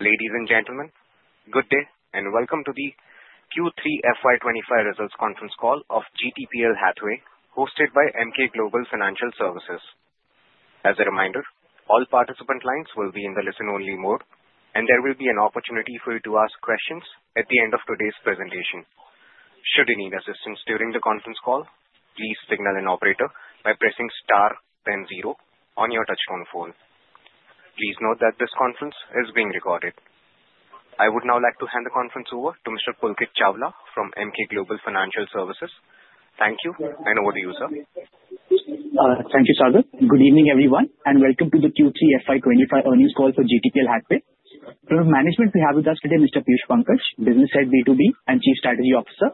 Ladies and gentlemen, good day and welcome to the Q3 FY25 results conference call of GTPL Hathway, hosted by Emkay Global Financial Services. As a reminder, all participant lines will be in the listen-only mode, and there will be an opportunity for you to ask questions at the end of today's presentation. Should you need assistance during the conference call, please signal an operator by pressing star then zero on your touch-tone phone. Please note that this conference is being recorded. I would now like to hand the conference over to Mr. Pulkit Chawla from Emkay Global Financial Services. Thank you, and over to you, sir. Thank you, Saurav. Good evening, everyone, and welcome to the Q3 FY25 earnings call for GTPL Hathway. From management, we have with us today Mr. Piyush Pankaj, Business Head B2B and Chief Strategy Officer,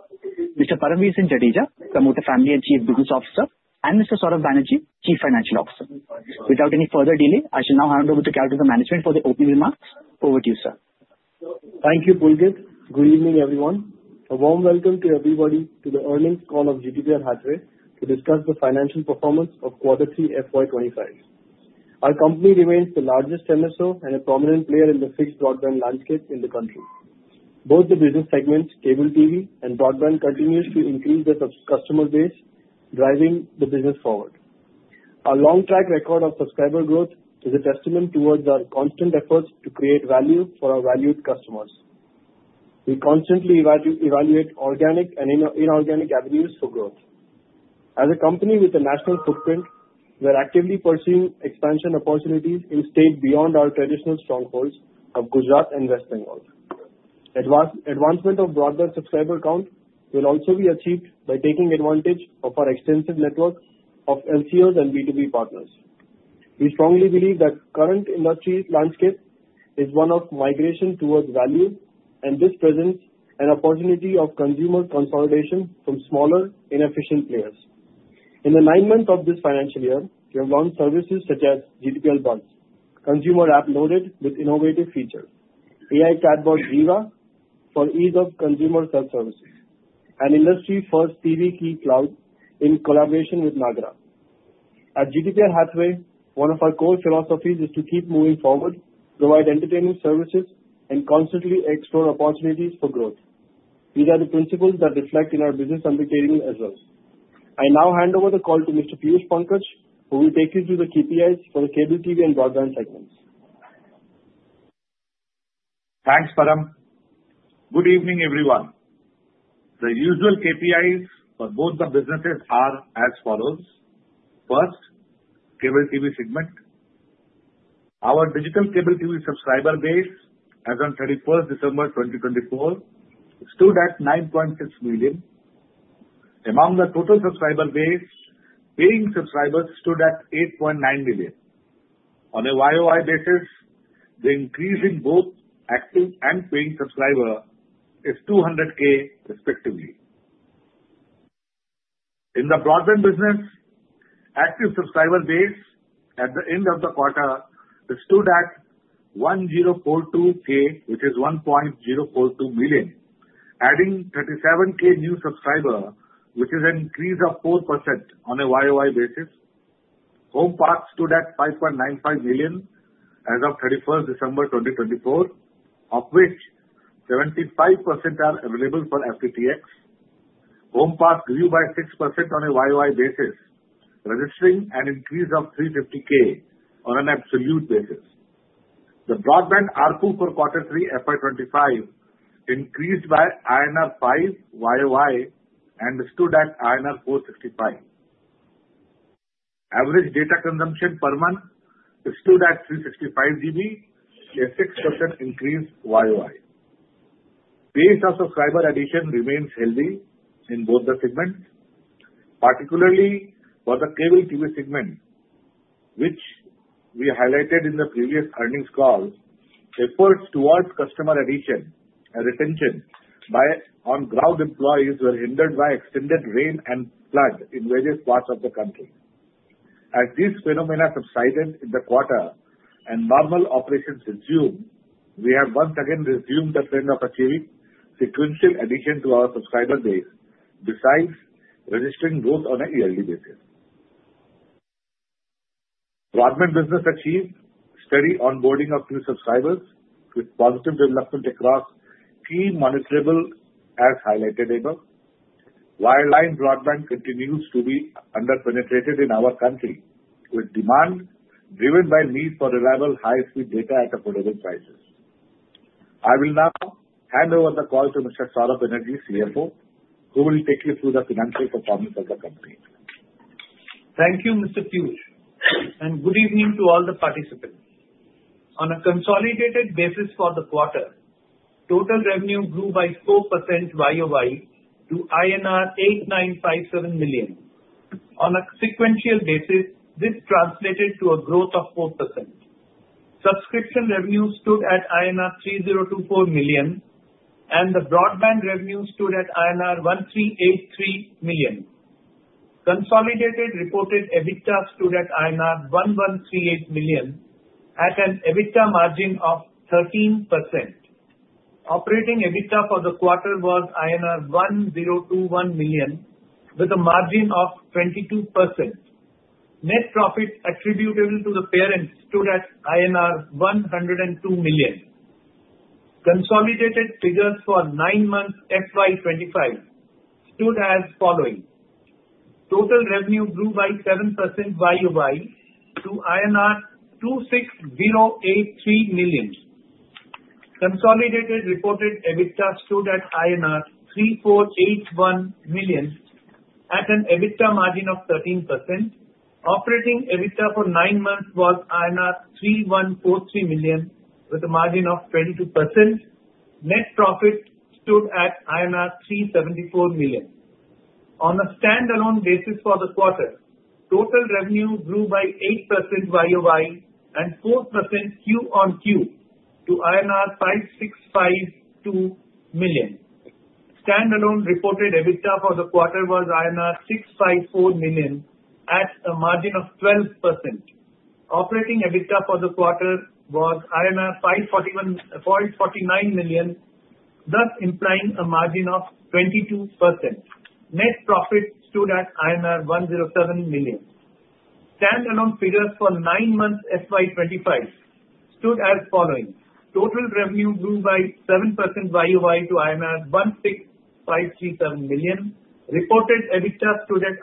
Mr. Aniruddhasinh Jadeja, Promoter family and Chief Business Officer, and Mr. Saurav Banerjee, Chief Financial Officer. Without any further delay, I shall now hand over to the management for the opening remarks. Over to you, sir. Thank you, Pulkit. Good evening, everyone. A warm welcome to everybody to the earnings call of GTPL Hathway to discuss the financial performance of Q3 FY25. Our company remains the largest MSO and a prominent player in the fixed broadband landscape in the country. Both the business segments, cable TV and broadband, continue to increase the customer base, driving the business forward. Our long track record of subscriber growth is a testament to our constant efforts to create value for our valued customers. We constantly evaluate organic and inorganic avenues for growth. As a company with a national footprint, we are actively pursuing expansion opportunities in states beyond our traditional strongholds of Gujarat and West Bengal. Advancement of broadband subscriber count will also be achieved by taking advantage of our extensive network of LCOs and B2B partners. We strongly believe that the current industry landscape is one of migration towards value, and this presents an opportunity of consumer consolidation from smaller, inefficient players. In the nine months of this financial year, we have launched services such as GTPL Buzz, consumer app loaded with innovative features, AI chatbot Jiva for ease of consumer self-service, and industry-first TVkey Cloud in collaboration with Nagra. At GTPL Hathway, one of our core philosophies is to keep moving forward, provide entertaining services, and constantly explore opportunities for growth. These are the principles that reflect in our business undertaking as well. I now hand over the call to Mr. Piyush Pankaj, who will take you through the KPIs for the cable TV and broadband segments. Thanks, Param. Good evening, everyone. The usual KPIs for both the businesses are as follows. First, cable TV segment. Our digital cable TV subscriber base as of 31st December 2024 stood at 9.6 million. Among the total subscriber base, paying subscribers stood at 8.9 million. On a YoY basis, the increase in both active and paying subscribers is 200K, respectively. In the broadband business, active subscriber base at the end of the quarter stood at 1042K, which is 1.042 million, adding 37K new subscribers, which is an increase of 4% on a YoY basis. Homepass stood at 5.95 million as of 31st December 2024, of which 75% are available for FTTX. Homepass grew by 6% on a YoY basis, registering an increase of 350K on an absolute basis. The broadband ARPU for Q3 FY25 increased by INR 5 YoY and stood at INR 465. Average data consumption per month stood at 365 GB, a 6% increase YoY. Base of subscriber addition remains healthy in both the segments, particularly for the cable TV segment, which we highlighted in the previous earnings call. Efforts towards customer addition and retention by on-ground employees were hindered by extended rain and flood in various parts of the country. As these phenomena subsided in the quarter and normal operations resumed, we have once again resumed the trend of achieving sequential addition to our subscriber base, besides registering growth on a yearly basis. Broadband business achieved steady onboarding of new subscribers with positive development across key monitorable, as highlighted above. Wireline broadband continues to be under-penetrated in our country, with demand driven by the need for reliable high-speed data at affordable prices. I will now hand over the call to Mr. Saurav Banerjee, CFO, who will take you through the financial performance of the company. Thank you, Mr. Piyush, and good evening to all the participants. On a consolidated basis for the quarter, total revenue grew by 4% YoY to INR 8,957 million. On a sequential basis, this translated to a growth of 4%. Subscription revenue stood at INR 3,024 million, and the broadband revenue stood at INR 1,383 million. Consolidated reported EBITDA stood at INR 1,138 million, at an EBITDA margin of 13%. Operating EBITDA for the quarter was INR 1,021 million, with a margin of 22%. Net profit attributable to the parent stood at INR 102 million. Consolidated figures for nine months FY25 stood as follows. Total revenue grew by 7% YoY to INR 26,083 million. Consolidated reported EBITDA stood at INR 3,481 million, at an EBITDA margin of 13%. Operating EBITDA for nine months was INR 3,143 million, with a margin of 22%. Net profit stood at INR 374 million. On a standalone basis for the quarter, total revenue grew by 8% YoY and 4% QoQ to INR 5652 million. Standalone reported EBITDA for the quarter was INR 654 million, at a margin of 12%. Operating EBITDA for the quarter was 549 million, thus implying a margin of 22%. Net profit stood at INR 107 million. Standalone figures for nine months FY25 stood as follows. Total revenue grew by 7% YoY to 16537 million. Reported EBITDA stood at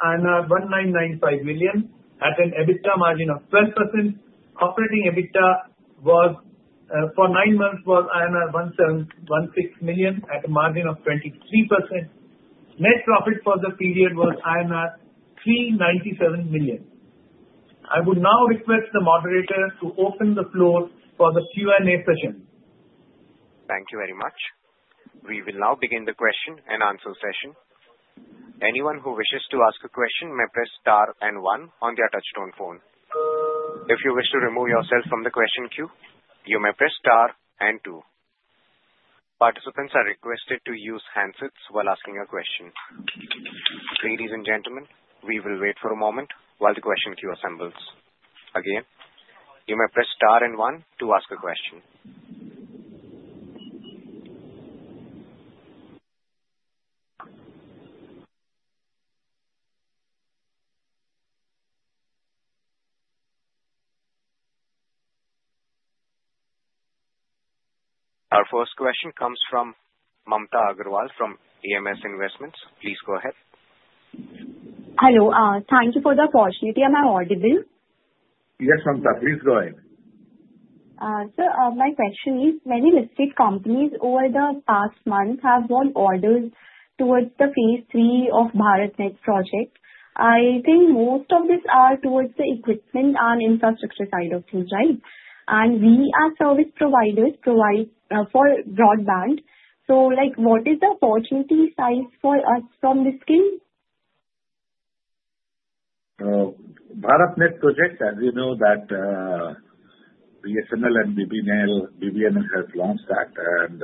1995 million, at an EBITDA margin of 12%. Operating EBITDA for nine months was 16 million, at a margin of 23%. Net profit for the period was 397 million. I would now request the moderator to open the floor for the Q&A session. Thank you very much. We will now begin the question and answer session. Anyone who wishes to ask a question may press star and one on their touch-tone phone. If you wish to remove yourself from the question queue, you may press star and two. Participants are requested to use handsets while asking a question. Ladies and gentlemen, we will wait for a moment while the question queue assembles. Again, you may press star and one to ask a question. Our first question comes from Mamta Agarwal from Matrix Investments. Please go ahead. Hello. Thank you for the opportunity. Am I audible? Yes, Mamta. Please go ahead. Sir, my question is, many listed companies over the past month have won orders towards the phase 3 of BharatNet project. I think most of these are towards the equipment and infrastructure side of things, right? And we as service providers provide for broadband. So what is the opportunity size for us from this scheme? BharatNet project, as you know, that BSNL and BBNL. BBNL has launched that, and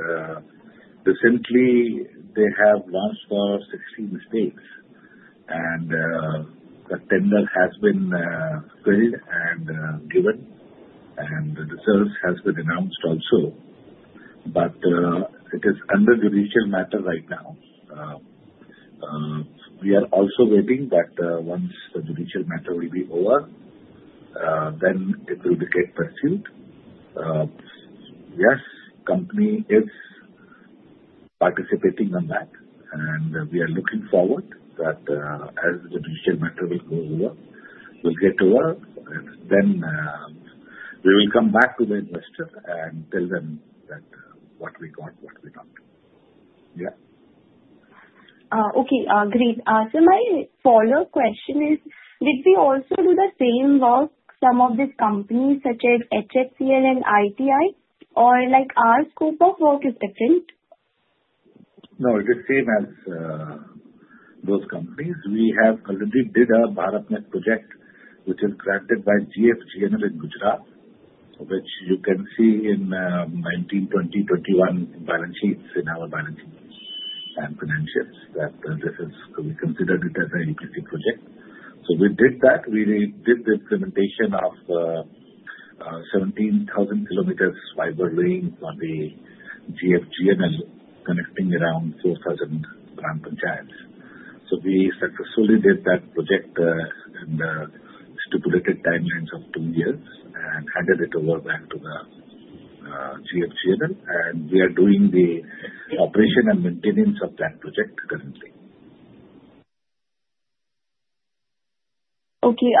recently, they have launched for 60 states. And the tender has been filed and given, and the results have been announced also, but it is under judicial matter right now. We are also waiting that once the judicial matter will be over, then it will be pursued. Yes, the company is participating on that, and we are looking forward that as the judicial matter will go over, will get over, then we will come back to the investor and tell them what we got, what we don't. Yeah. Okay. Great. Sir, my follow-up question is, did we also do the same work, some of these companies, such as HFCL and ITI? Or our scope of work is different? No, it is the same as those companies. We have already did a BharatNet project, which is granted by GFGNL in Gujarat, which you can see in 2020-21 balance sheets in our balance sheets and financials that we considered it as an EPC project. So we did that. We did the implementation of 17,000 kilometers fiber laying on the GFGNL, connecting around 4,000 gram panchayats. So we successfully did that project in the stipulated timelines of two years and handed it over back to the GFGNL. And we are doing the operation and maintenance of that project currently. Okay.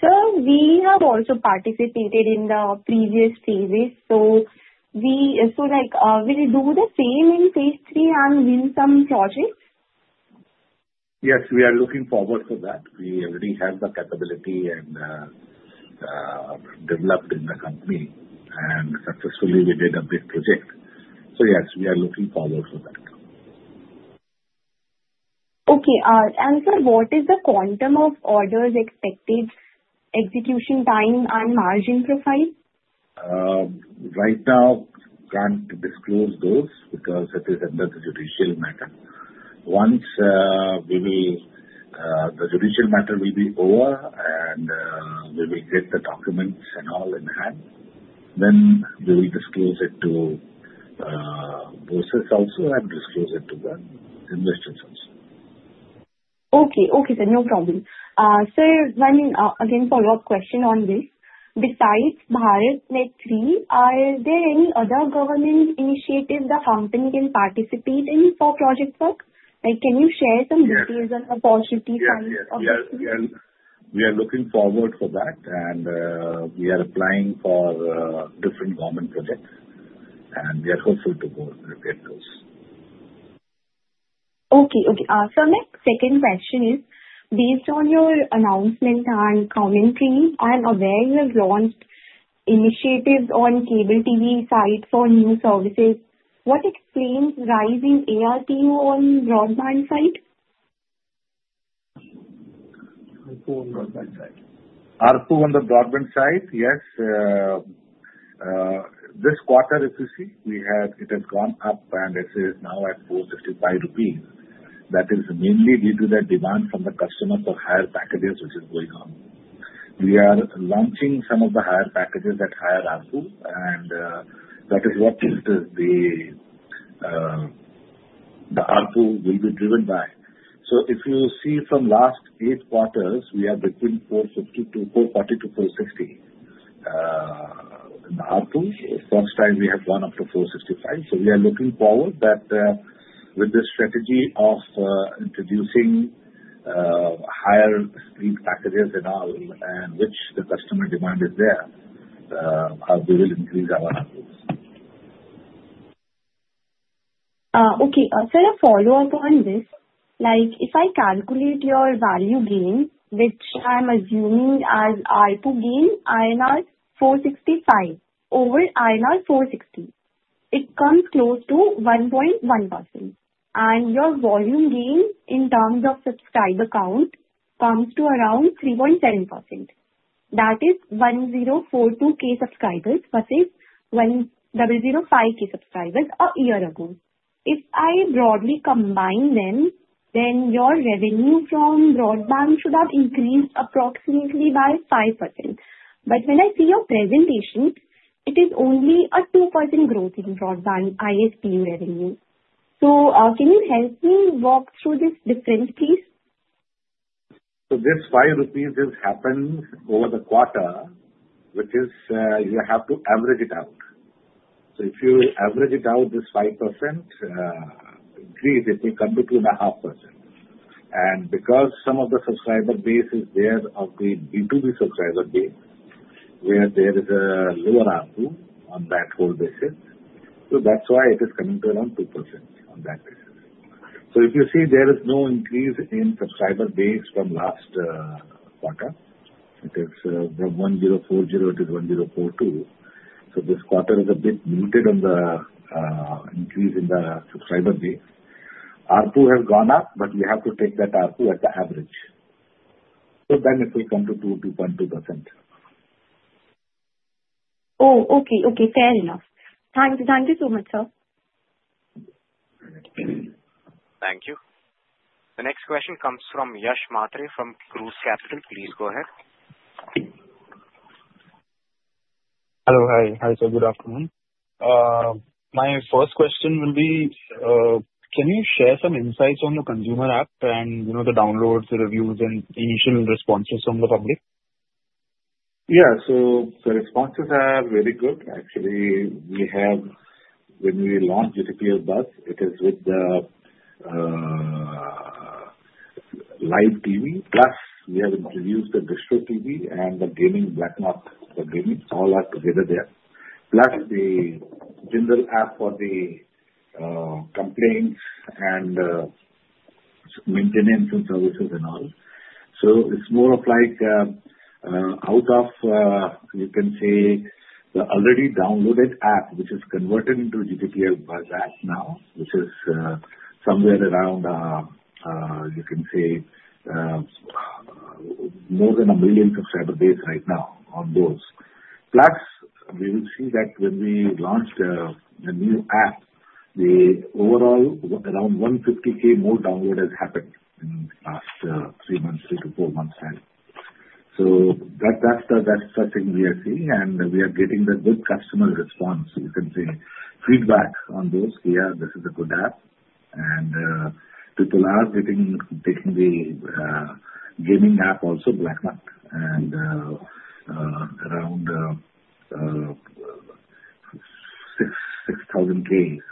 Sir, we have also participated in the previous phases. So will we do the same in phase 3 and win some projects? Yes, we are looking forward to that. We already have the capability and developed in the company, and successfully, we did a big project, so yes, we are looking forward to that. Okay. And sir, what is the quantum of orders expected, execution time, and margin profile? Right now, can't disclose those because it is under the judicial matter. Once the judicial matter will be over and we will get the documents and all in hand, then we will disclose it to BSEs also, and disclose it to the investors also. Okay. Okay, sir. No problem. Sir, again, follow-up question on this. Besides BharatNet 3, are there any other government initiatives the company can participate in for project work? Can you share some details on opportunities and? Yes, yes. We are looking forward to that, and we are applying for different government projects, and we are hopeful to go get those. Okay. Okay. Sir, my second question is, based on your announcement and commentary, I'm aware you have launched initiatives on cable TV side for new services. What explains rising ARPU on broadband side? ARPU on the broadband side, yes. This quarter, if you see, it has gone up, and it is now at 455 rupees. That is mainly due to the demand from the customer for higher packages, which is going on. We are launching some of the higher packages at higher ARPU. And that is what the ARPU will be driven by. So if you see from last eight quarters, we are between 440 to 460 in the ARPU. The first time, we have gone up to 465. So we are looking forward that with this strategy of introducing higher speed packages and all, and which the customer demand is there, we will increase our ARPUs. Okay. Sir, a follow-up on this. If I calculate your value gain, which I'm assuming as ARPU gain, INR 465 over INR 460, it comes close to 1.1%. And your volume gain in terms of subscriber count comes to around 3.10%. That is 1042K subscribers versus 1005K subscribers a year ago. If I broadly combine them, then your revenue from broadband should have increased approximately by 5%. But when I see your presentation, it is only a 2% growth in broadband ISP revenue. So can you help me walk through this difference, please? This 5 rupees has happened over the quarter, which is you have to average it out. So if you average it out, this 5% increase, it will come to 2.5%. And because some of the subscriber base is there of the B2B subscriber base, where there is a lower ARPU on that whole basis, so that's why it is coming to around 2% on that basis. So if you see, there is no increase in subscriber base from last quarter. It is from 1040, it is 1042. So this quarter is a bit limited on the increase in the subscriber base. ARPU has gone up, but we have to take that ARPU as the average. So then it will come to 2-2.2%. Oh, okay. Okay. Fair enough. Thank you so much, sir. Thank you. The next question comes from Yash Matray from Cruise Capital. Please go ahead. Hello. Hi. Hi, sir. Good afternoon. My first question will be, can you share some insights on the consumer app and the downloads, the reviews, and initial responses from the public? Yeah. So the responses are very good. Actually, when we launched GTPL Buzz, it is with the live TV. Plus, we have introduced the DistroTV and the gaming Blacknut, the gaming all are together there. Plus, the general app for the complaints and maintenance and services and all. So it's more of like out of, you can say, the already downloaded app, which is converted into GTPL Buzz app now, which is somewhere around, you can say, more than a million subscriber base right now on Buzz. Plus, we will see that when we launched the new app, the overall around 150K more download has happened in the last three months, three to four months time. So that's the first thing we are seeing. And we are getting the good customer response, you can say, feedback on Buzz. Yeah, this is a good app. People are taking the gaming app also, Blacknut, and around 6,000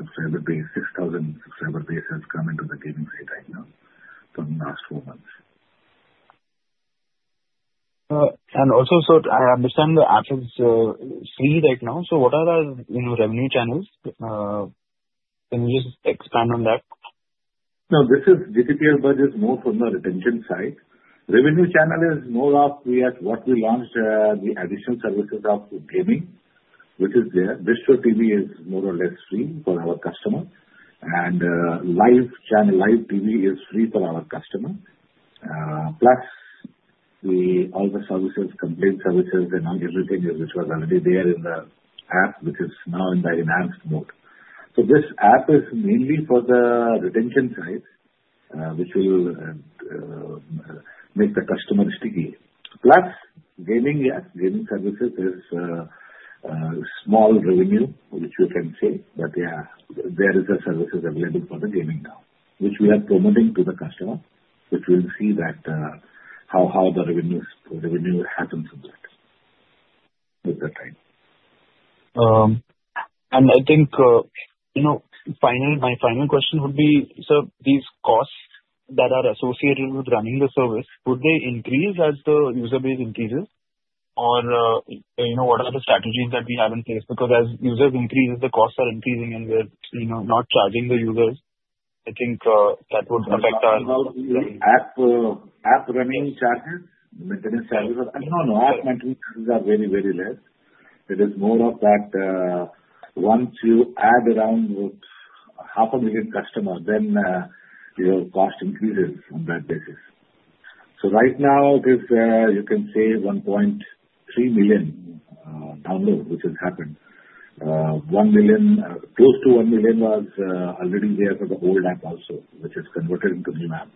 subscriber base has come into the gaming site right now from the last four months. And also, sir, I understand the app is free right now. So what are the revenue channels? Can you just expand on that? No, this is GTPL Buzz is more from the retention side. Revenue channel is more of what we launched, the additional services of gaming, which is there. DistroTV is more or less free for our customer. And live TV is free for our customer. Plus, all the services, complaint services, and all everything which was already there in the app, which is now in the enhanced mode. So this app is mainly for the retention side, which will make the customer sticky. Plus, gaming, yes, gaming services is small revenue, which we can say. But yeah, there are services available for the gaming now, which we are promoting to the customer, which will see how the revenue happens with that with the time. I think my final question would be, sir, these costs that are associated with running the service, would they increase as the user base increases? Or what are the strategies that we have in place? Because as users increase, the costs are increasing, and we're not charging the users. I think that would affect our revenue. App running charges, maintenance charges, no, no, app maintenance charges are very, very less. It is more of that once you add around 500,000 customers, then your cost increases on that basis. So right now, you can say 1.3 million downloads, which has happened. Close to 1 million was already there for the old app also, which is converted into new app.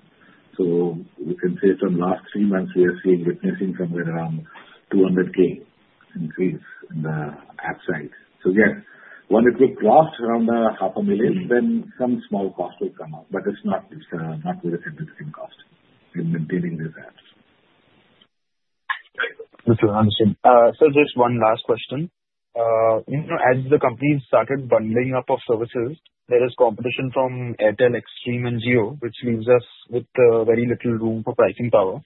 So we can say from last three months, we are seeing witnessing somewhere around 200K increase in the app side. So yes, when it will cross around 500,000, then some small cost will come up. But it's not very significant cost in maintaining these apps. Understood. Sir, just one last question. As the company started bundling up our services, there is competition from Airtel Xstream, which leaves us with very little room for pricing power.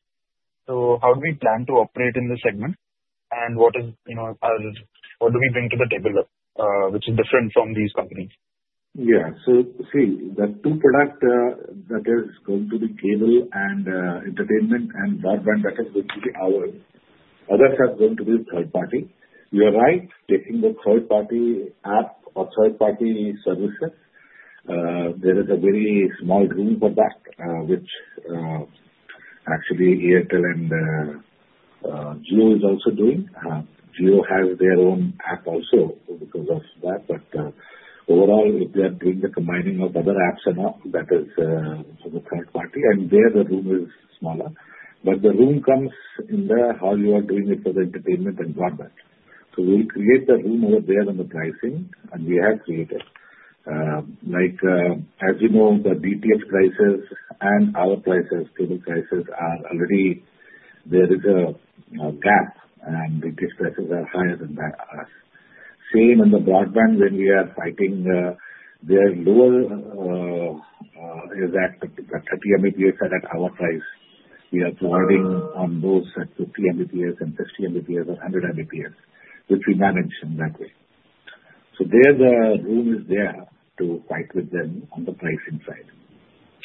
So how do we plan to operate in this segment, and what do we bring to the table, which is different from these companies? Yeah. So see, the two products that are going to be cable and entertainment and broadband, that is going to be ours. Others are going to be third party. You're right, taking the third party app or third party services, there is a very small room for that, which actually Airtel and Jio is also doing. Jio has their own app also because of that. But overall, if they are doing the combining of other apps and all, that is for the third party. And there, the room is smaller. But the room comes in how you are doing it for the entertainment and broadband. So we'll create the room over there on the pricing, and we have created. As you know, the HITS prices and our prices, cable prices are already there is a gap, and HITS prices are higher than us. Same on the broadband, when we are fighting, they are lower than the 30 Mbps at our price. We are providing on those at 50 Mbps and 60 Mbps and 100 Mbps, which we manage in that way. So there's a room there to fight with them on the pricing side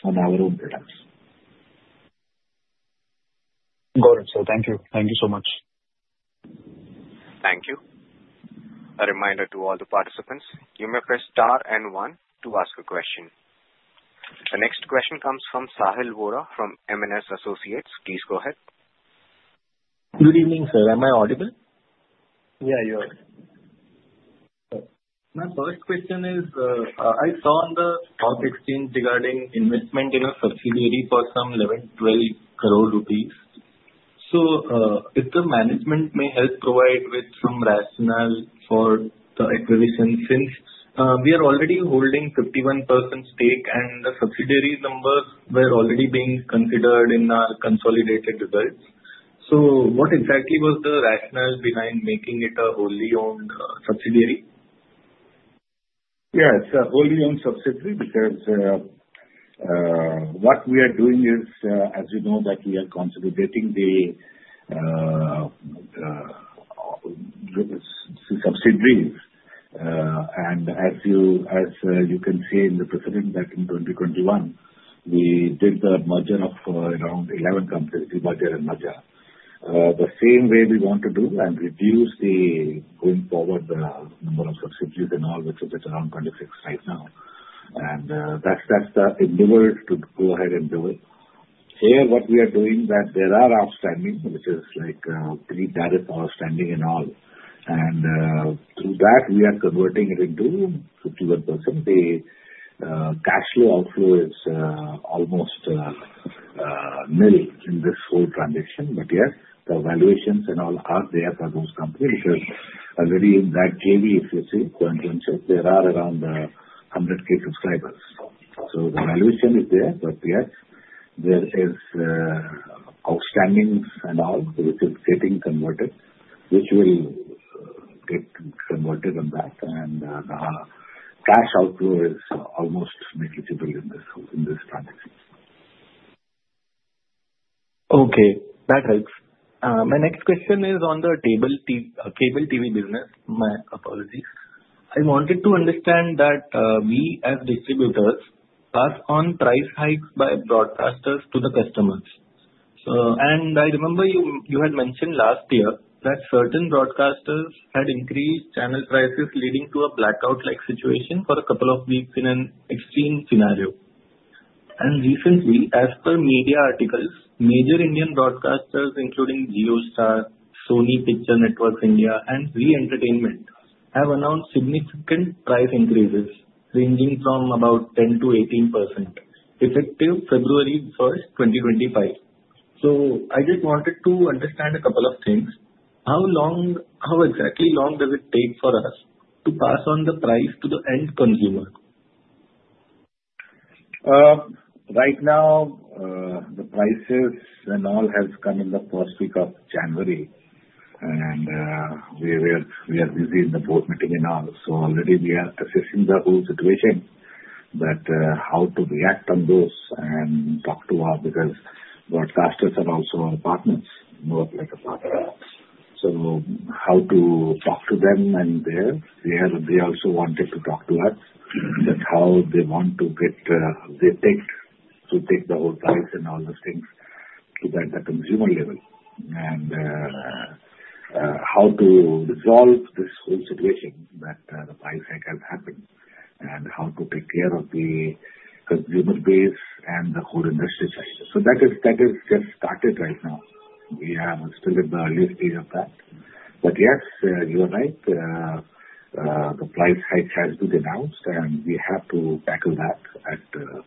on our own products. Got it, sir. Thank you. Thank you so much. Thank you. A reminder to all the participants, you may press star and one to ask a question. The next question comes from Sahil Vora from M&S Associates. Please go ahead. Good evening, sir. Am I audible? Yeah, you are. My first question is, I saw on the stock exchange regarding investment in a subsidiary for some 11-12 crore rupees. So if the management may help provide with some rationale for the acquisition, since we are already holding 51% stake and the subsidiary numbers were already being considered in our consolidated results, so what exactly was the rationale behind making it a wholly owned subsidiary? Yeah. It's a wholly owned subsidiary because what we are doing is, as you know, that we are consolidating the subsidiaries, and as you can see in the presentation back in 2021, we did the merger of around 11 companies, Bhatia and Bhaja. The same way we want to do and reduce the going forward number of subsidiaries and all, which is around 26 right now, and that's the endeavor to go ahead and do it. Here, what we are doing is that there are outstanding, which is like three tariff outstanding and all, and through that, we are converting it into 51%. The cash flow outflow is almost nil in this whole transition, but yes, the valuations and all are there for those companies because already in that JV, if you see, country and state, there are around 100K subscribers. So the valuation is there. But yes, there is outstanding and all, which is getting converted, which will get converted on that. And the cash outflow is almost negligible in this transition. Okay. That helps. My next question is on the cable TV business. My apologies. I wanted to understand that we as distributors pass on price hikes by broadcasters to the customers. And I remember you had mentioned last year that certain broadcasters had increased channel prices leading to a blackout-like situation for a couple of weeks in an extreme scenario. And recently, as per media articles, major Indian broadcasters, including JioStar, Sony Pictures Networks India, and Zee Entertainment Enterprises, have announced significant price increases ranging from about 10%-18%, effective February 1st, 2025. So I just wanted to understand a couple of things. How exactly long does it take for us to pass on the price to the end consumer? Right now, the prices and all have come in the first week of January, and we are busy in the board meeting and all. So already, we are assessing the whole situation, but how to react on those and talk to our because broadcasters are also our partners, more like a partner. So how to talk to them and there. They also wanted to talk to us about how they want to take the whole price and all those things to the consumer level. And how to resolve this whole situation that the price hike has happened and how to take care of the consumer base and the whole industry side, so that has just started right now. We are still in the early stage of that, but yes, you are right. The price hike has been announced, and we have to tackle that at the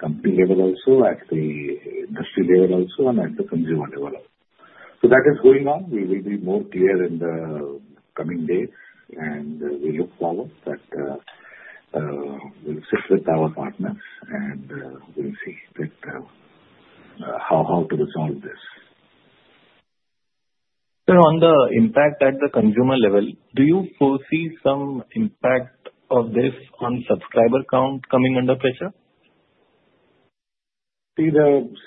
company level also, at the industry level also, and at the consumer level also. So that is going on. We will be more clear in the coming days. And we look forward that we'll sit with our partners, and we'll see how to resolve this. Sir, on the impact at the consumer level, do you foresee some impact of this on subscriber count coming under pressure? See,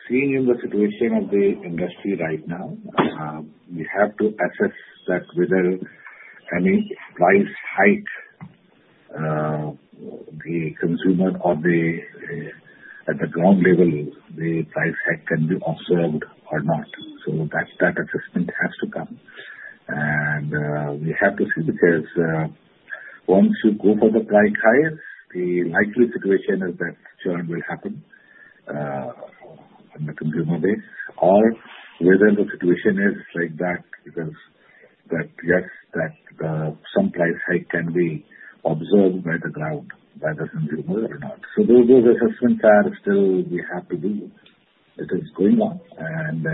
seeing in the situation of the industry right now, we have to assess that whether any price hike at the ground level, the price hike can be observed or not. So that assessment has to come. And we have to see because once you go for the price hike, the likely situation is that churn will happen on the consumer base or whether the situation is like that because yes, that some price hike can be observed by the ground, by the consumer or not. So those assessments are still we have to do. It is going on. And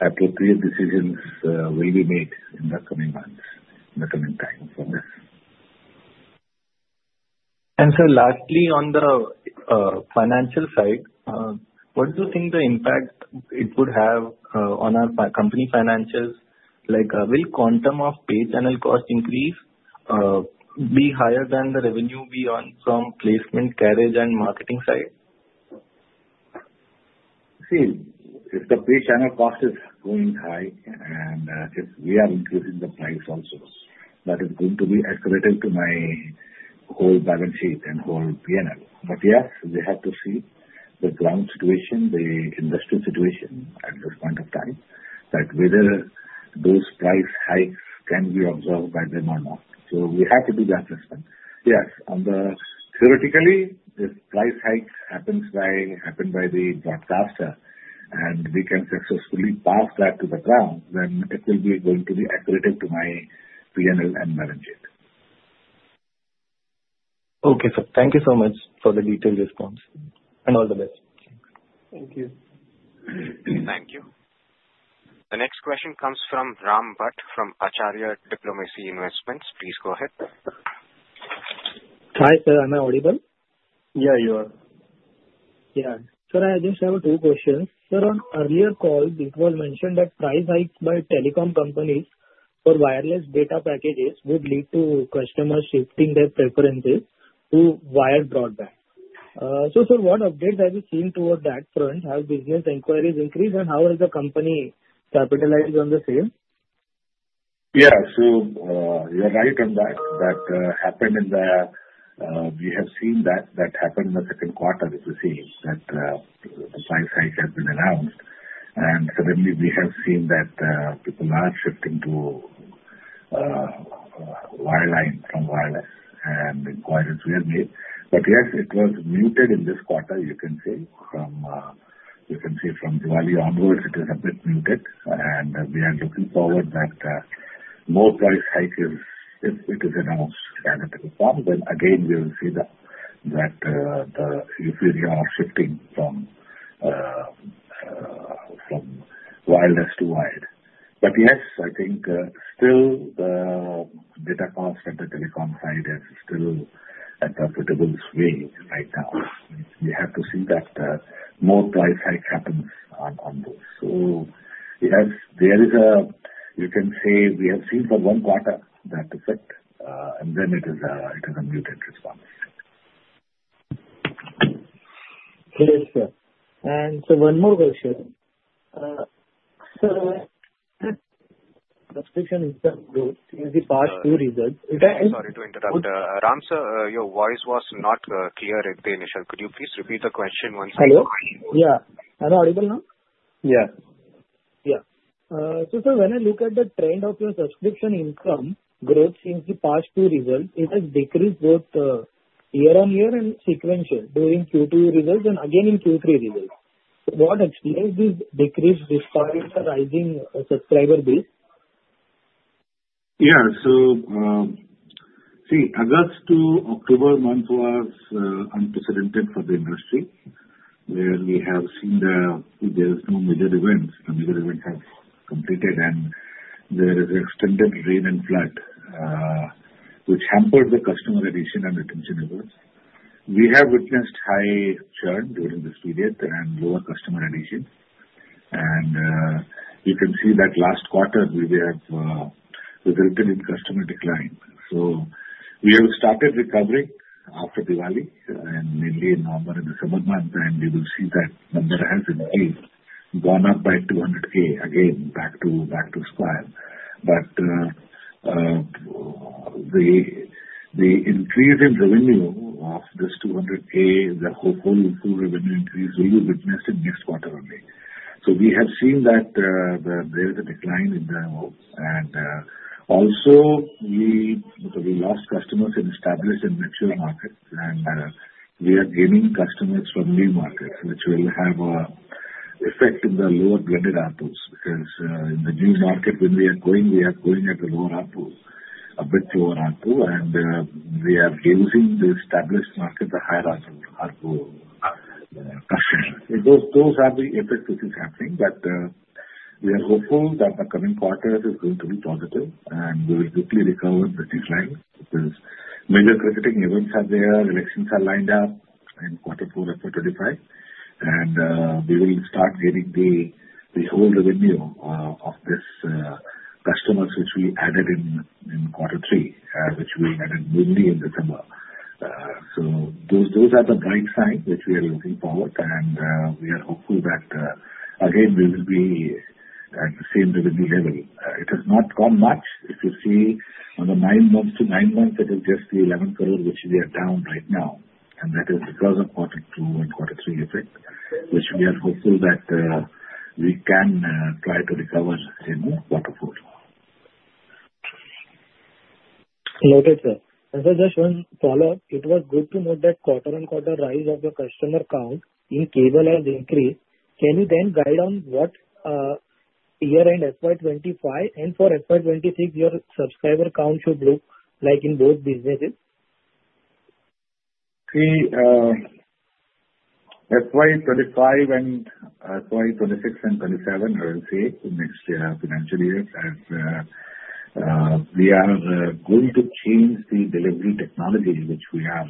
appropriate decisions will be made in the coming months, in the coming time for this. And, sir, lastly, on the financial side, what do you think the impact it would have on our company finances? Will quantum of pay channel cost increase be higher than the revenue beyond from placement, carriage, and marketing side? See, if the pay channel cost is going high and if we are increasing the price also, that is going to be accretive to my whole balance sheet and whole P&L, but yes, we have to see the ground situation, the industry situation at this point of time, that whether those price hikes can be absorbed by them or not, so we have to do the assessment. Yes, theoretically, if price hike happens by the broadcaster and we can successfully pass that to the ground, then it will be going to be accretive to my P&L and margins. Okay, sir. Thank you so much for the detailed response and all the best. Thank you. Thank you. The next question comes from Sriram Bhat from Franklin Templeton. Please go ahead. Hi, sir. Am I audible? Yeah, you are. Yeah. Sir, I just have two questions. Sir, on earlier call, it was mentioned that price hikes by telecom companies for wireless data packages would lead to customers shifting their preferences to wired broadband. So, sir, what updates have you seen towards that front? Have business inquiries increased? And how has the company capitalized on the sale? Yeah. So you're right on that. We have seen that that happened in the second quarter, as you see, that the price hike has been announced. And suddenly, we have seen that people are shifting to wireline from wireless, and inquiries were made. But yes, it was muted in this quarter, you can see. You can see from Diwali onwards, it is a bit muted. And we are looking forward that more price hike is announced. Expected to perform, then again, we will see that the users are shifting from wireless to wired. But yes, I think still the data cost at the telecom side is still at a suitable swing right now. We have to see that more price hike happens on those. So yes, there is, you can say, we have seen for one quarter that effect, and then it is a muted response. Okay, sir. And sir, one more question. Sir, subscription is the part two result. Sorry to interrupt. Ram, sir, your voice was not clear initially. Could you please repeat the question once more? Hello? Yeah. Am I audible now? Yes. Yeah. So, sir, when I look at the trend of your subscription income growth since the past two results, it has decreased both year-on-year and sequential during Q2 results and again in Q3 results. What explains this decrease despite rising subscriber base? Yeah. So see, August to October month was unprecedented for the industry where we have seen there is no major event. The major event has completed, and there is extended rain and flood, which hampered the customer acquisition and retention efforts. We have witnessed high churn during this period and lower customer acquisition. And you can see that last quarter, we have resulted in customer decline. So we have started recovering after Diwali and mainly in November and December month, and you will see that number has gone up by 200K again, back to square. But the increase in revenue of this 200K, the whole revenue increase will be witnessed in next quarter only. So we have seen that there is a decline in the. Also, we lost customers in established and mature markets, and we are gaining customers from new markets, which will have an effect in the lower-grade RPOs because in the new market, when we are going, we are going at the lower RPO, a bit lower RPO, and we are using the established market, the higher RPO customers. So those are the effects which are happening. But we are hopeful that the coming quarter is going to be positive, and we will quickly recover the decline because major critical events are there. Elections are lined up in quarter four and four twenty-five. We will start getting the whole revenue of these customers, which we added in quarter three, which we added mainly in the summer. Those are the bright signs which we are looking forward to, and we are hopeful that again we will be at the same revenue level. It has not gone much. If you see, on the nine months to nine months, it is just the 11 crore which we are down right now. And that is because of quarter two and quarter three effect, which we are hopeful that we can try to recover in quarter four. Noted, sir. And sir, just one follow-up. It was good to note that quarter-on-quarter rise of the customer count in cable has increased. Can you then guide on what year-end FY25 and for FY26 your subscriber count should look like in both businesses? See, FY25 and FY26 and 27, I will say, next financial years, as we are going to change the delivery technology which we are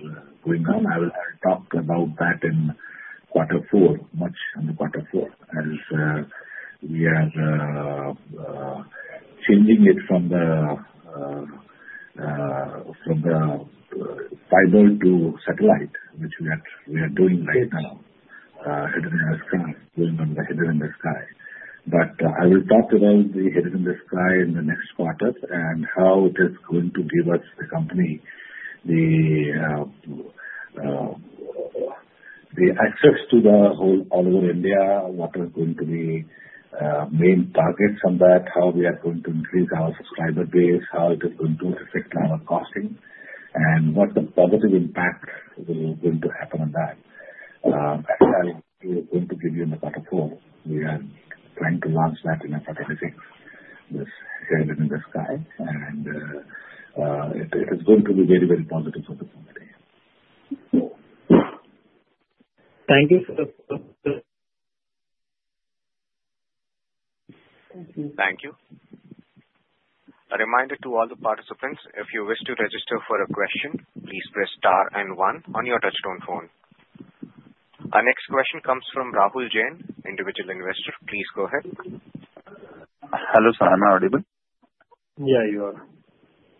going on. I will talk about that in quarter four, much in quarter four, as we are changing it from the fiber to satellite, which we are doing right now, Headend in the Sky, going on the Headend in the Sky. But I will talk about the Headend in the Sky in the next quarter and how it is going to give us, the company, the access to the whole all over India, what are going to be main targets on that, how we are going to increase our subscriber base, how it is going to affect our costing, and what the positive impact will going to happen on that. As I will going to give you in quarter four. We are trying to launch that in quarter six, this Headend in the Sky, and it is going to be very, very positive for the company. Thank you, sir. Thank you. Thank you. A reminder to all the participants, if you wish to register for a question, please press star and one on your touch-tone phone. Our next question comes from Rahul Jain, individual investor. Please go ahead. Hello, sir. Am I audible? Yeah, you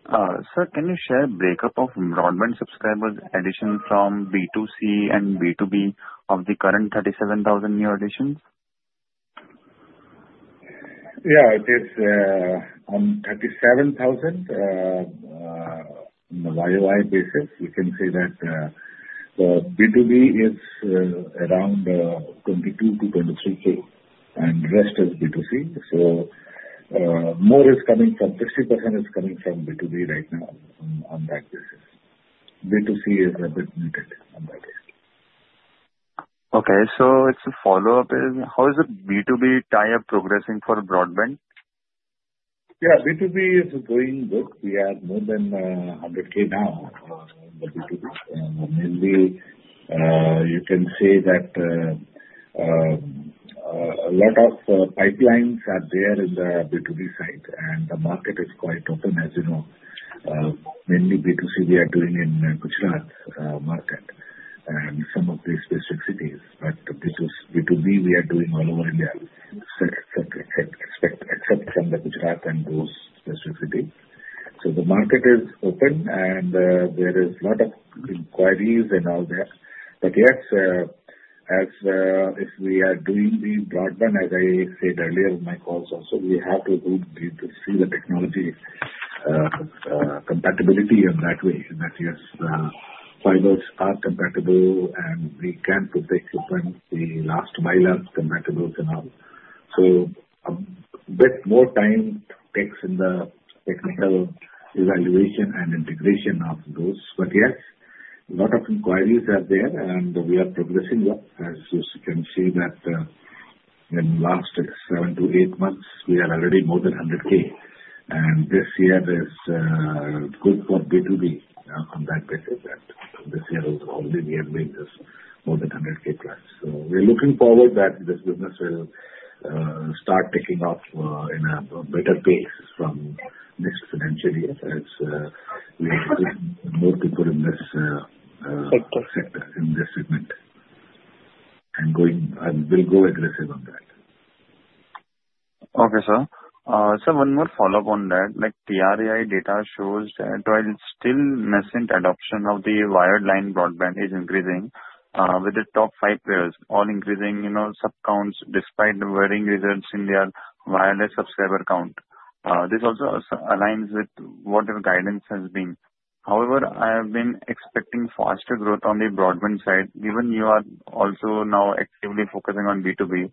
are. Sir, can you share breakup of enrollment subscribers addition from B2C and B2B of the current 37,000 new additions? Yeah. On 37,000, on the YoY basis, you can say that the B2B is around 22-23K, and the rest is B2C. So more is coming from 50% is coming from B2B right now on that basis. B2C is a bit muted on that basis. Okay. So it's a follow-up. How is the B2B tie-up progressing for broadband? Yeah. B2B is going good. We have more than 100K now on the B2B. Mainly, you can say that a lot of pipelines are there in the B2B side, and the market is quite open, as you know. Mainly B2C, we are doing in Gujarat market and some of these specific cities. But B2B, we are doing all over India, except from the Gujarat and those specific cities. So the market is open, and there is a lot of inquiries and all that. But yes, as if we are doing the broadband, as I said earlier in my calls also, we have to see the technology compatibility in that way, that yes, fiber is compatible, and we can put the equipment, the last mile-up compatible and all. So a bit more time takes in the technical evaluation and integration of those. But yes, a lot of inquiries are there, and we are progressing well. As you can see, that in the last seven to eight months, we are already more than 100K. And this year is good for B2B on that basis, that this year already we have made this more than 100K plus. So we are looking forward that this business will start taking off in a better pace from next financial year as we introduce more people in this. Sector. Sector, in this segment, and we'll go aggressive on that. Okay, sir. Sir, one more follow-up on that. TRAI data shows that while still nascent adoption of the wireline broadband is increasing with the top five players, all increasing subscriber counts despite varying results in their wireless subscriber count. This also aligns with whatever guidance has been. However, I have been expecting faster growth on the broadband side, given you are also now actively focusing on B2B.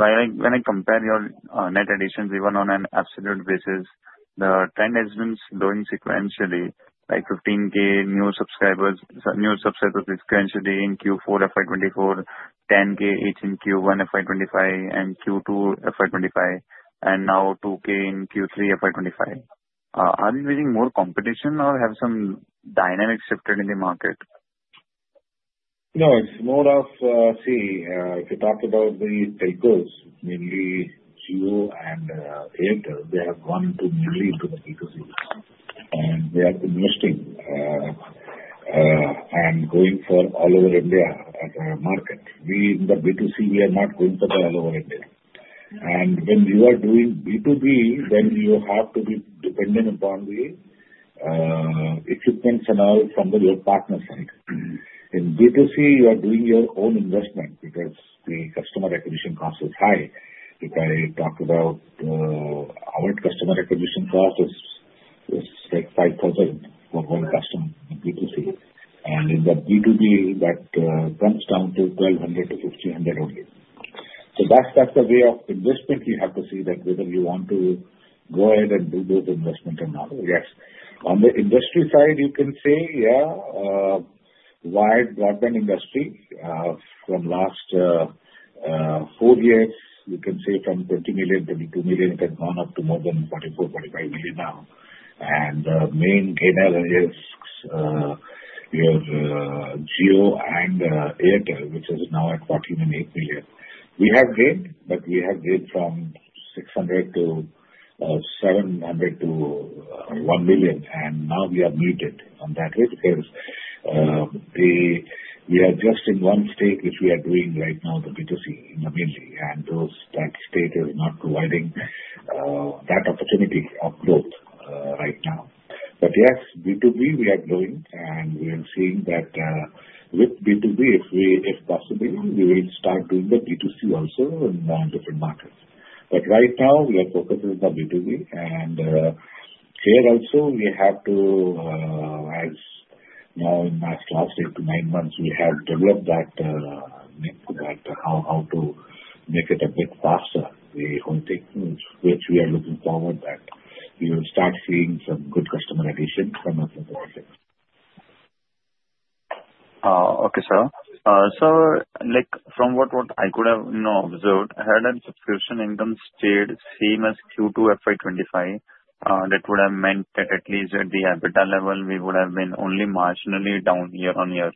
When I compare your net additions, even on an absolute basis, the trend has been slowing sequentially, like 15K new subscribers sequentially in Q4 FY24, 10K each in Q1 FY25, and Q2 FY25, and now 2K in Q3 FY25. Are you facing more competition or have some dynamics shifted in the market? No. It's more, you see, if you talk about the telcos, mainly Jio and Airtel, they have gone mainly to the B2C, and they are investing and going for all over India market. In the B2C, we are not going to all over India. When you are doing B2B, then you have to be dependent upon the equipments and all from your partner side. In B2C, you are doing your own investment because the customer acquisition cost is high. If I talk about our customer acquisition cost, it's like 5,000 for one customer in B2C. In the B2B, that comes down to 1,200-1,500 only. So that's the way of investment we have to see that whether you want to go ahead and do those investments or not. Yes. On the industry side, you can say, yeah, wired broadband industry from last four years, you can say from 20-22 million, it has gone up to more than 44-45 million now. And the main gainer is your Jio and Airtel, which is now at 14.8 million. We have gained, but we have gained from 600 to 700 to 1 million. And now we are muted on that way because we are just in one state, which we are doing right now, the B2C in the mainly. And that state is not providing that opportunity of growth right now. But yes, B2B, we are growing, and we are seeing that with B2B, if possible, we will start doing the B2C also in different markets. But right now, we are focusing on B2B. Here also, we have to, as now in the last eight-to-nine months, we have developed that how to make it a bit faster, the whole thing, which we are looking forward that we will start seeing some good customer addition from. Okay, sir. Sir, from what I could have observed, headend and subscription income stayed same as Q2 FY25. That would have meant that at least at the EBITDA level, we would have been only marginally down year on year.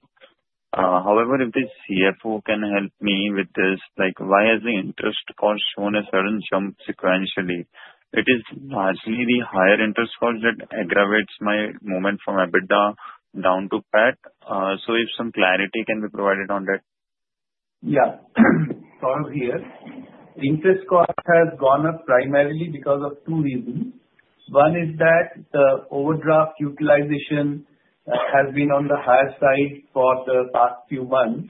However, if the CFO can help me with this, why has the interest cost shown a sudden jump sequentially? It is largely the higher interest cost that aggravates my movement from EBITDA down to PAT. So if some clarity can be provided on that. Yeah. So, sir, here, interest cost has gone up primarily because of two reasons. One is that the overdraft utilization has been on the higher side for the past few months.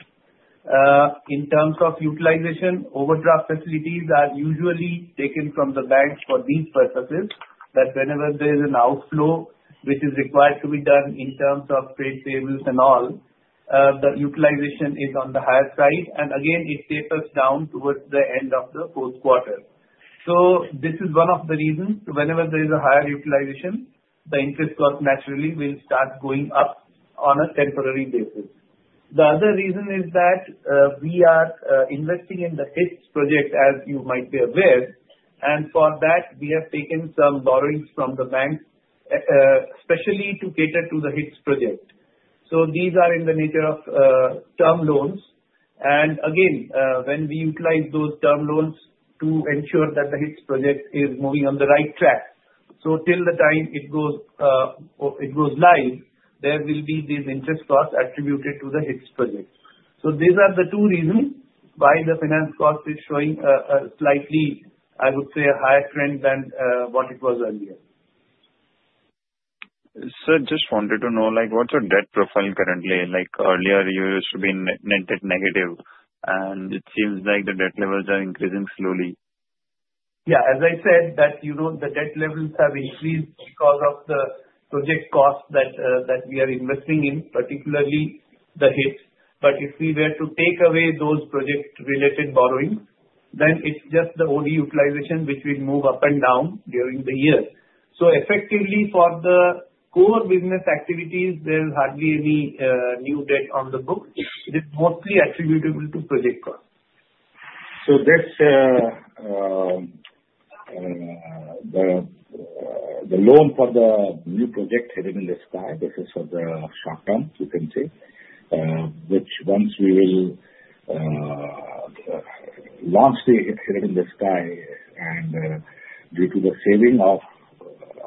In terms of utilization, overdraft facilities are usually taken from the banks for these purposes, that whenever there is an outflow, which is required to be done in terms of payables and all, the utilization is on the higher side. And again, it tapers down towards the end of the fourth quarter. So this is one of the reasons. Whenever there is a higher utilization, the interest cost naturally will start going up on a temporary basis. The other reason is that we are investing in the HITS project, as you might be aware. And for that, we have taken some borrowings from the banks, especially to cater to the HITS project. So these are in the nature of term loans. And again, when we utilize those term loans to ensure that the HITS project is moving on the right track. So till the time it goes live, there will be these interest costs attributed to the HITS project. So these are the two reasons why the finance cost is showing a slightly, I would say, a higher trend than what it was earlier. Sir, just wanted to know, what's your debt profile currently? Earlier, you used to be net negative, and it seems like the debt levels are increasing slowly. Yeah. As I said, the debt levels have increased because of the project costs that we are investing in, particularly the HITS. But if we were to take away those project-related borrowings, then it's just the only utilization which will move up and down during the year. So effectively, for the core business activities, there is hardly any new debt on the book. It is mostly attributable to project costs. The loan for the new project Headend in the Sky, this is for the short term, you can say, which once we will launch the Headend in the Sky, and due to the saving of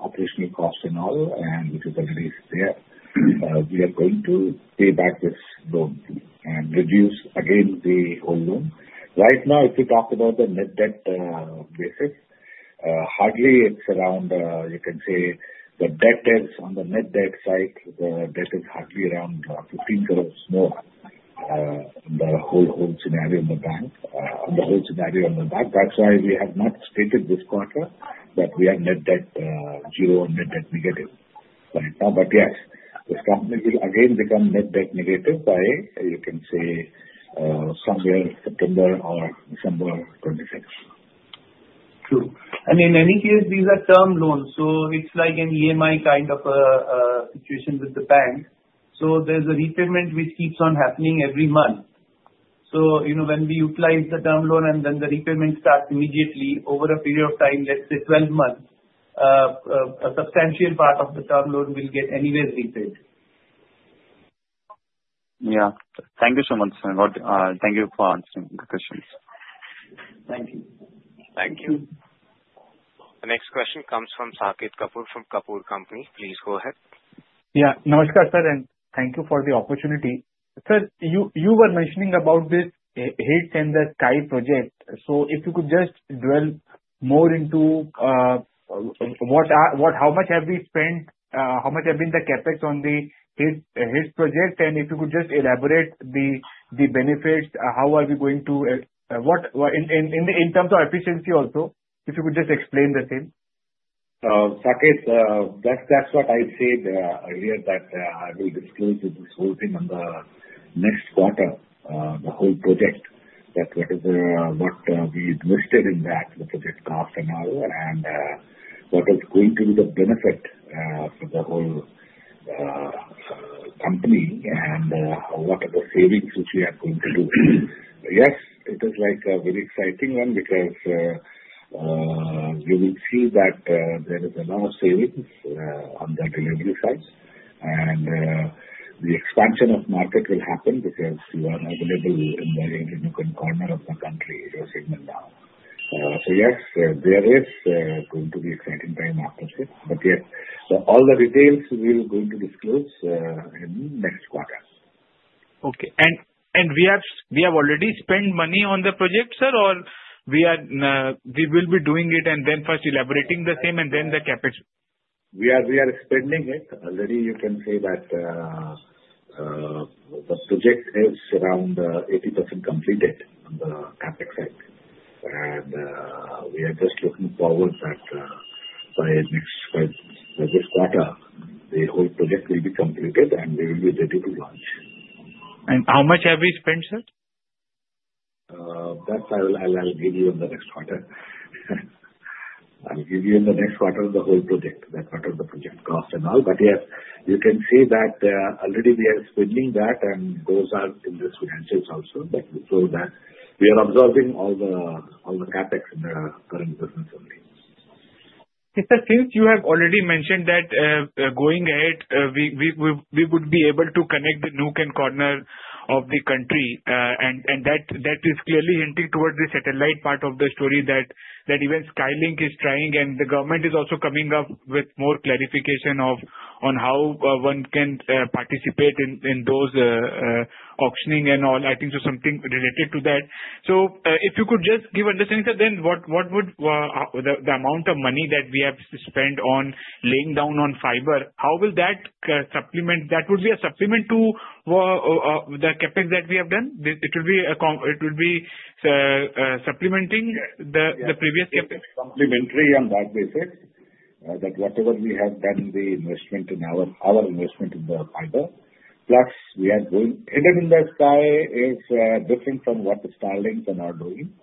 operational costs and all, and which is already there, we are going to pay back this loan and reduce again the whole loan. Right now, if you talk about the net debt basis, hardly it's around, you can say, the debt is on the net debt side, the debt is hardly around 15 crores more on the whole scenario in the bank. On the whole scenario in the bank, that's why we have not stated this quarter, but we have net debt zero and net debt negative right now, but yes, this company will again become net debt negative by, you can say, somewhere September or December 2026. True. And in any case, these are term loans. So it's like an EMI kind of a situation with the bank. So there's a repayment which keeps on happening every month. So when we utilize the term loan and then the repayment starts immediately over a period of time, let's say 12 months, a substantial part of the term loan will get anyways repaid. Yeah. Thank you so much, sir. Thank you for answering the questions. Thank you. Thank you. The next question comes from Saket Kapoor from Kapoor & Co. Please go ahead. Yeah. Namaskar, sir, and thank you for the opportunity. Sir, you were mentioning about this HITS and the sky project. So if you could just dwell more into how much have we spent, how much have been the capex on the HITS project, and if you could just elaborate the benefits, how are we going to in terms of efficiency also, if you could just explain the same. Saket, that's what I said earlier, that I will disclose this whole thing on the next quarter, the whole project, that what we invested in that, the project cost and all, and what is going to be the benefit for the whole company, and what are the savings which we are going to do. Yes, it is like a very exciting one because you will see that there is a lot of savings on the delivery side, and the expansion of market will happen because you are available in the inner corner of the country, your segment now. So yes, there is going to be exciting time after this. But yes, all the details we will going to disclose in next quarter. Okay. And we have already spent money on the project, sir, or we will be doing it and then first elaborating the same and then the Capex? We are expanding it already. You can say that the project is around 80% completed on the CapEx side, and we are just looking forward that by next quarter, the whole project will be completed and we will be ready to launch. How much have we spent, sir? That I'll give you in the next quarter. I'll give you in the next quarter the whole project, that part of the project cost and all. But yes, you can see that already we are spending that, and those are in the financials also. So we are absorbing all the CapEx in the current business only. If that seems you have already mentioned that going ahead, we would be able to connect the nook and corner of the country. That is clearly hinting towards the satellite part of the story that even Starlink is trying, and the government is also coming up with more clarification on how one can participate in those auctions and all. I think there's something related to that. So if you could just give understanding, sir, then what would the amount of money that we have spent on laying down on fiber, how will that supplement? That would be a supplement to the CapEx that we have done? It will be supplementing the previous CapEx? It will be complementary on that basis, that whatever we have done the investment in our investment in the fiber, plus we are going headend in the sky is different from what the Starlink and all are doing,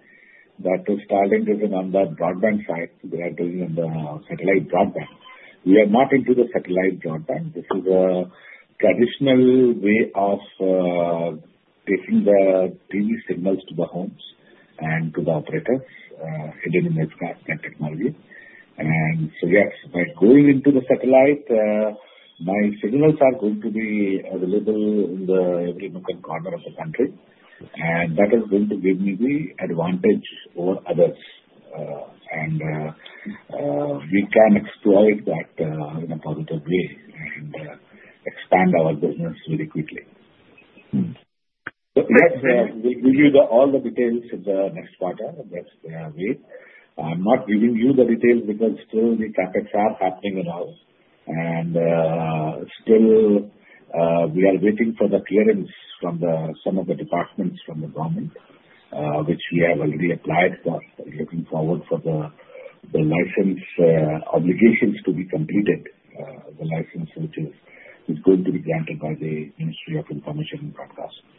but Starlink is on the broadband side. We are doing on the satellite broadband. We are not into the satellite broadband. This is a traditional way of taking the TV signals to the homes and to the operators headend-in-the-sky technology, and so yes, by going into the satellite, my signals are going to be available in every nook and corner of the country, and that is going to give me the advantage over others, and we can exploit that in a positive way and expand our business very quickly, so yes, we'll give you all the details in the next quarter. That's the way. I'm not giving you the details because still the Capex are happening and all. We are still waiting for the clearance from some of the departments from the government, which we have already applied for, looking forward for the license obligations to be completed, the license which is going to be granted by the Ministry of Information and Broadcasting.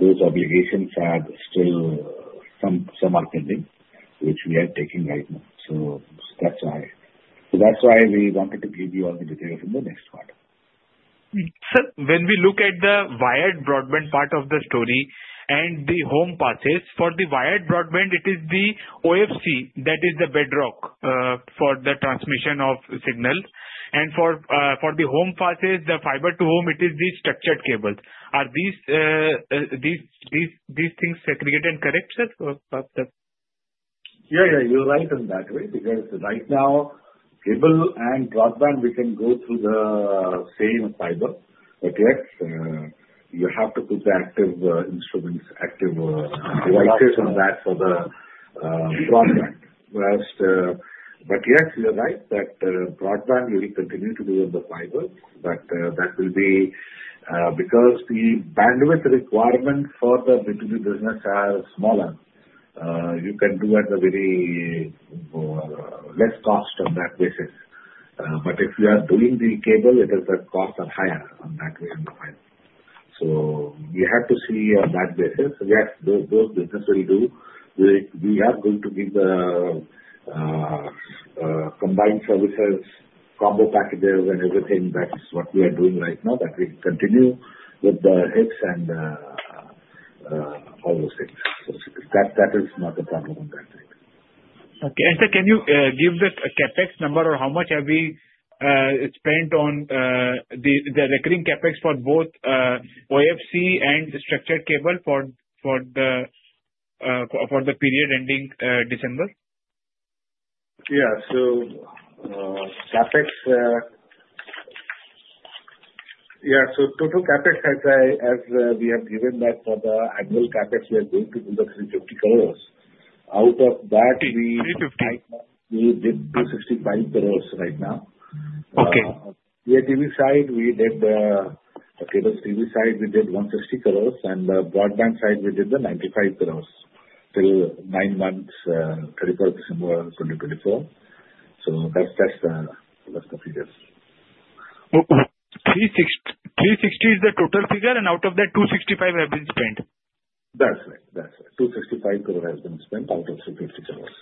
Those obligations are still some are pending, which we are taking right now. So that's why we wanted to give you all the details in the next quarter. Sir, when we look at the wired broadband part of the story and the home passes, for the wired broadband, it is the OFC that is the bedrock for the transmission of signals. And for the home passes, the fiber to the home, it is the structured cables. Are these things segregated and correct, sir? Yeah, yeah. You're right on that way because right now, cable and broadband, we can go through the same fiber. But yes, you have to put the active instruments, active devices on that for the broadband. But yes, you're right that broadband will continue to be on the fiber, but that will be because the bandwidth requirement for the B2B business are smaller. You can do at a very less cost on that basis. But if you are doing the cable, it is the costs are higher on that way on the fiber. So we have to see on that basis. Yes, those business will do. We are going to give the combined services, combo packages, and everything that is what we are doing right now, that we continue with the HITS and all those things. So that is not a problem on that side. Okay. And sir, can you give the CapEx number or how much have we spent on the recurring CapEx for both OFC and structured cable for the period ending December? Yeah. So Capex, yeah, so total Capex, as we have given that for the annual Capex, we are going to do the 350 crores. Out of that, we. 350. We did 265 crores right now. Okay. On the TV side, we did the cable TV side. We did 160 crores, and the broadband side, we did 95 crores till nine months, 31st of December 2024. So that's the figures. 360 is the total figure, and out of that, 265 have been spent. That's right. That's right. 265 crores have been spent out of 350 crores.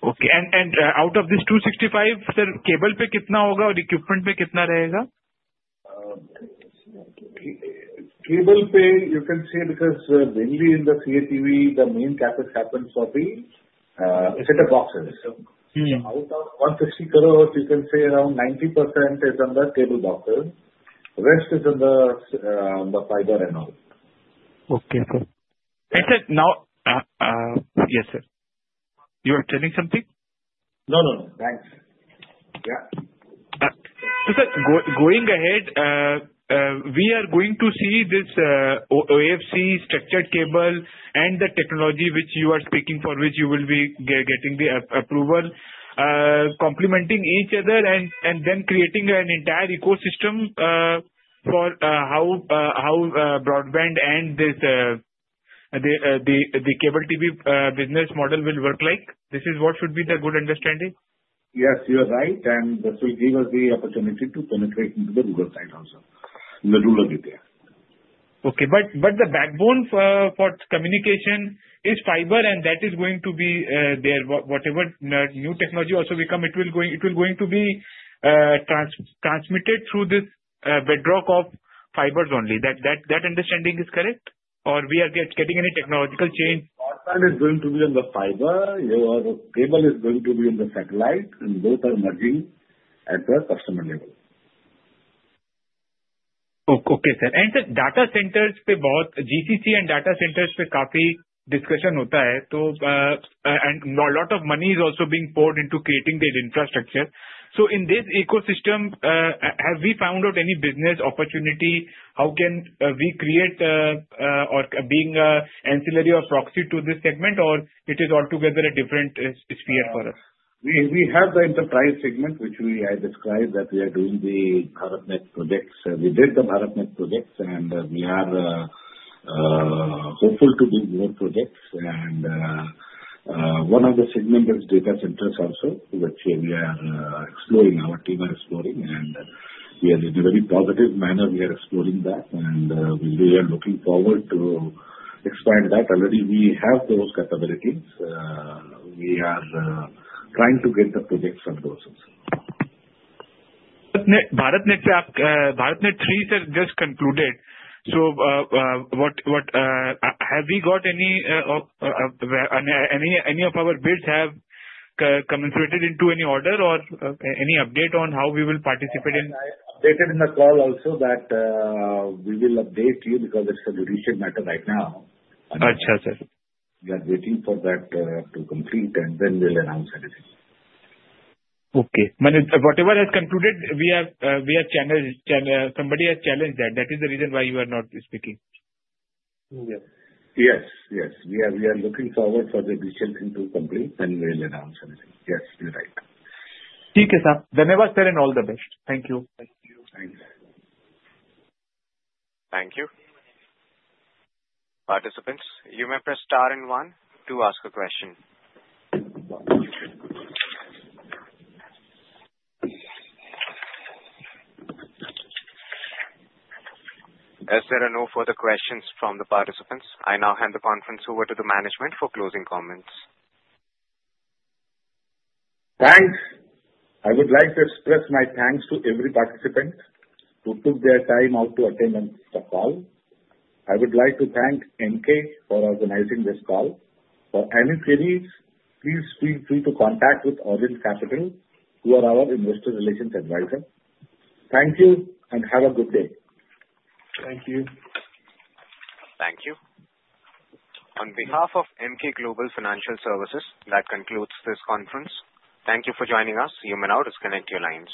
Okay. And out of this 265, sir, cable pay kitna hoga or equipment pay kitna rahega? Cable pay, you can say because mainly in the CATV, the main CapEx happens for the set-top boxes. So out of 160 crores, you can say around 90% is on the cable boxes. Rest is on the fiber and all. Okay. And sir, now, yes, sir, you were telling something? No, no, no. Thanks. Yeah. So, sir, going ahead, we are going to see this OFC, structured cable, and the technology which you are speaking for, which you will be getting the approval, complementing each other and then creating an entire ecosystem for how broadband and the cable TV business model will work like. This is what should be the good understanding? Yes, you're right, and this will give us the opportunity to penetrate into the rural side also, in the rural area. Okay. But the backbone for communication is fiber, and that is going to be there. Whatever new technology also become, it will going to be transmitted through this bedrock of fibers only. That understanding is correct? Or we are getting any technological change? Broadband is going to be on the fiber. Your cable is going to be on the satellite, and both are merging at the customer level. Okay, sir. And sir, data centers pe both GCC and data centers pe kaafi discussion hota hai. And a lot of money is also being poured into creating the infrastructure. So in this ecosystem, have we found out any business opportunity? How can we create or being ancillary or proxy to this segment, or it is altogether a different sphere for us? We have the enterprise segment, which we have described that we are doing the BharatNet projects. We did the BharatNet projects, and we are hopeful to do more projects. And one of the segment is data centers also, which we are exploring. Our team are exploring, and in a very positive manner, we are exploring that. And we are looking forward to expand that. Already, we have those capabilities. We are trying to get the projects for those also. BharatNet 3, sir, just concluded. So have we got any of our bids converted into any order or any update on how we will participate in? I updated in the call also that we will update you because it's a judicial matter right now. Ajha, sir. We are waiting for that to complete, and then we'll announce anything. Okay. Whatever has concluded, we have somebody has challenged that. That is the reason why you are not speaking. Yes. Yes. Yes. We are looking forward for the judicial thing to complete, and we'll announce anything. Yes, you're right. Thank you, sir. Thanks, sir, and all the best. Thank you. Thank you. Thank you. Participants, you may press star and one to ask a question. As there are no further questions from the participants, I now hand the conference over to the management for closing comments. Thanks. I would like to express my thanks to every participant who took their time out to attend on this call. I would like to thank Emkay for organizing this call. For any queries, please feel free to contact with Orient Capital, who are our investor relations advisor. Thank you and have a good day. Thank you. Thank you. On behalf of Emkay Global Financial Services, that concludes this conference. Thank you for joining us. You may now disconnect your lines.